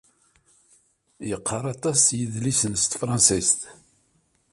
Yeqqaṛ aṭas idlisen s tefransist.